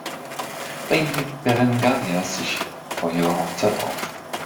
Bei ihm hielt Berengaria sich vor ihrer Hochzeit auf.